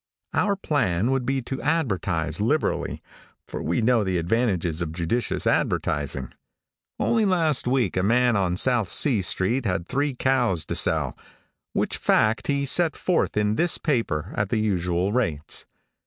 Our plan would be to advertise liberally, for we know the advantages of judicious advertising. Only last week a man on South C street had three cows to sell, which fact he set forth in this paper at the usual rates.